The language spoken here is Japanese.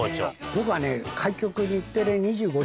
僕はね。